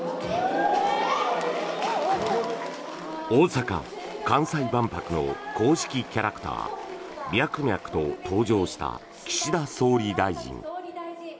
大阪・関西万博の公式キャラクターミャクミャクと登場した岸田総理大臣。